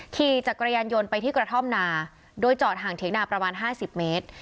ขี่จักรยานยนต์ไปที่กระท่อมนาโดยจอดห่างเถียงนาประมาณ๕๐เมตร